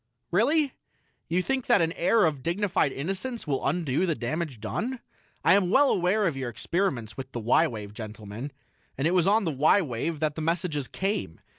"Really? You think that an air of dignified innocence will undo the damage done? I am well aware of your experiments with the y wave, gentlemen and it was on the y wave that the messages came.